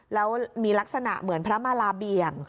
แล้วมีลักษณะเหมือนพระมาลาเบี่ยง